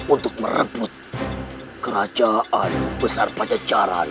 untuk merebut kerajaan besar pada jalan